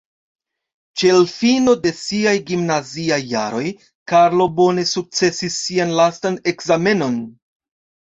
Ĉe l' fino de siaj gimnaziaj jaroj, Karlo bone sukcesis sian lastan ekzamenon.